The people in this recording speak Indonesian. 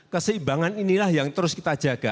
keseimbangan inilah yang terus kita jaga